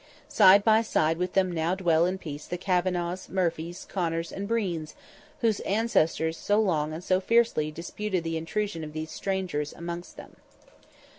Side by side with them now dwell in peace the Kavanaghs, Murphys, Conors, and Breens, whose ancestors so long and so fiercely disputed the intrusion of these strangers amongst them.